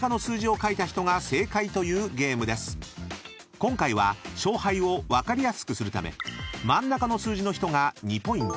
［今回は勝敗を分かりやすくするため真ん中の数字の人が２ポイント］